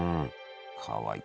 かわいい。